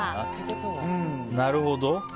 なるほど。